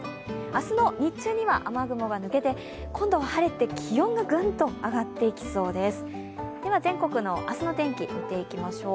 明日の日中には雨雲が抜けて今度は晴れて気温がぐんと上がっていきそうです。